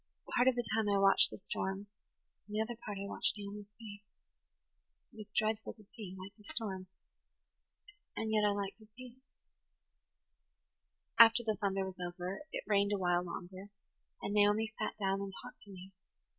Part of the time I watched the storm, and the other part I watched Naomi's face. It was dreadful to see, like the storm, and yet I liked to see it. "After the thunder was over it rained a while longer, and Naomi sat down and talked to me.